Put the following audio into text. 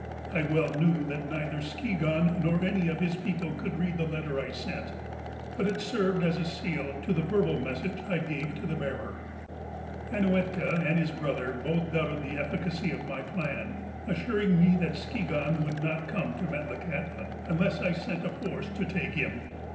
" I well knew that neither Skigahn nor any of his people could read the letter I sent, but it served as a seal to the verbal message I gave to the bearer. Ainuetka and his brother both doubted the efficacy of my plan, assuring me that Skigahn would not come to Metlakahtla unless I sent a force to take him.